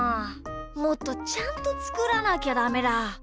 もっとちゃんとつくらなきゃダメだ。